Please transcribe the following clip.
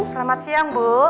selamat siang bu